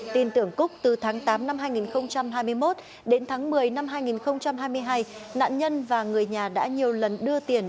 tin tưởng cúc từ tháng tám năm hai nghìn hai mươi một đến tháng một mươi năm hai nghìn hai mươi hai nạn nhân và người nhà đã nhiều lần đưa tiền